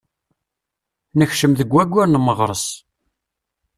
Nekcem deg waggur n meɣres.